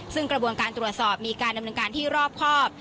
ซึ่งกระบวนการตรวจสอบมีการดำเนินการที่รอบครอบ